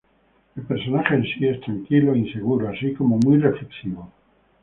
El personaje en sí es tranquilo, e inseguro, así como muy reflexivo.